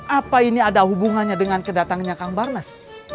apa ini ada hubungannya dengan kedatangannya kang barnas